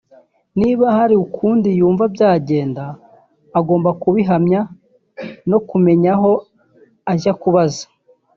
niba hari ukundi yumva byagenda agomba kubihamya no kumenya aho ajya kubaza